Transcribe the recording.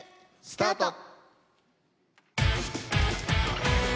スタート！